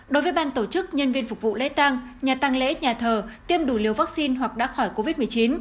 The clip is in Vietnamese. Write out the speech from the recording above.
đối với ban tổ chức nhân viên phục vụ lễ tăng nhà tăng lễ nhà thờ tiêm đủ liều vaccine hoặc đã khỏi covid một mươi chín